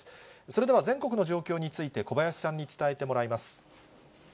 それでは、全国の状況について小林さんに伝えてもらいます。